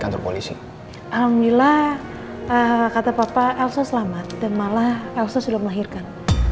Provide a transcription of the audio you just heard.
alhamdulillah kata papa elsa selamat dan malah elsa sudah melahirkan